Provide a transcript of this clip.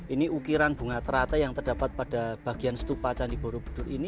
ini ukiran bunga teratai yang terdapat pada bagian stupa candi borobudur ini